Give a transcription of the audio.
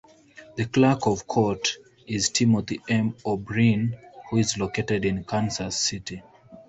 The Clerk of Court is Timothy M. O'Brien, who is located in Kansas City.